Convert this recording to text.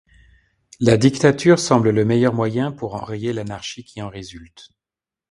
La dictature semble le meilleur moyen pour enrayer l’anarchie qui en résulte.